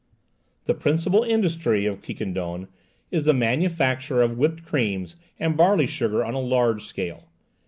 The principal industry of Quiquendone is the manufacture of whipped creams and barley sugar on a large scale.